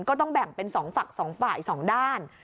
ก็ต้องแบ่งเป็น๒ฝั่ง๒ฝ่าย๒ด้าน